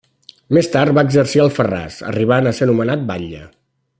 Més tard va exercir a Alfarràs, arribant a ser nomenat batlle.